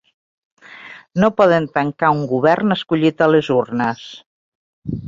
No poden tancar un govern escollit a les urnes.